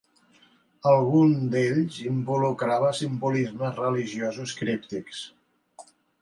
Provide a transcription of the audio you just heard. Algun d'ells involucrava simbolismes religiosos críptics.